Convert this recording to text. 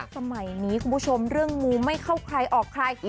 สมัยนี้คุณผู้ชมเรื่องงูไม่เข้าใครออกใคร